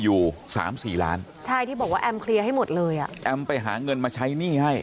อยู่สามสี่ล้านใช่ที่บอกว่าแอมเคลียร์ให้หมดเลยอ่ะแอมไปหาเงินมาใช้หนี้ให้